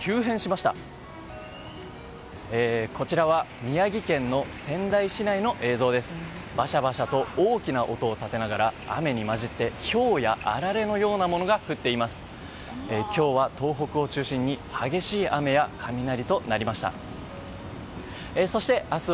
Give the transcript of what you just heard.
ばしゃばしゃと大きな音を立てながら雨に交じってひょうや、あられのようなものが降っています。